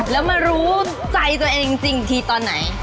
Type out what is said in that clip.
แล้วมารู้ใจใจจริงทีทอนไหน